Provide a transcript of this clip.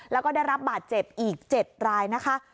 แล้วก็ได้รับบาดเจ็บอีก๗รายนะคะ